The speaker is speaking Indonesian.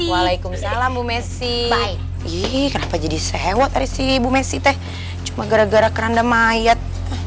waalaikumsalam bu messi iiih kenapa jadi sehewat dari si ibu mesite cuma gara gara keranda mayat